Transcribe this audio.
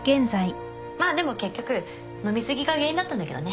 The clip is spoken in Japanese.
まあでも結局飲み過ぎが原因だったんだけどね。